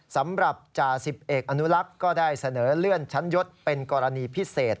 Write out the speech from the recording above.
สำหรับจ่าสิบเอกอนุลักษ์ก็ได้เสนอเลื่อนชั้นยศเป็นกรณีพิเศษ